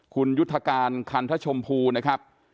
คุณยุทธการคันทชมพูนะครับ